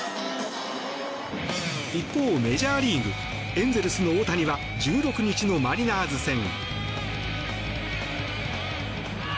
一方、メジャーリーグエンゼルスの大谷は１６日のマリナーズ戦。